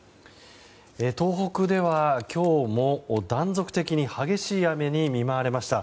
東北では今日も、断続的に激しい雨に見舞われました。